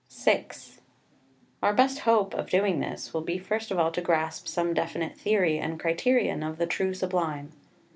VI Our best hope of doing this will be first of all to grasp some definite theory and criterion of the true Sublime.